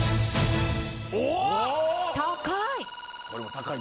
高い！